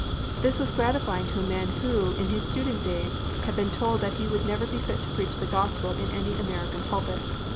This was gratifying to a man who, in his student days, had been told that he would never be fit to preach the Gospel in any American pulpit.